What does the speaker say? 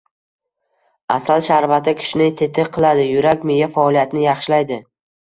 Asal sharbati kishini tetik qiladi, yurak, miya faoliyatini yaxshilaydi.